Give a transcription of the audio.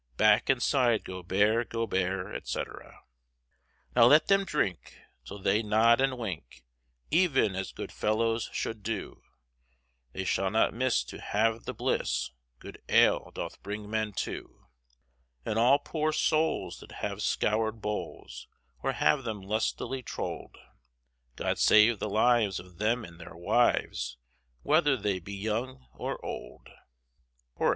Backe and syde go bare, go bare, etc. Now let them drynke, tyll they nod and winke, Even as goode fellowes sholde doe, They shall not mysse to have the blisse, Good ale doth bring men to; And all poore soules that have scowred bowles, Or have them lustily trolde, God save the lyves of them and their wives, Whether they be yonge or olde. Chorus.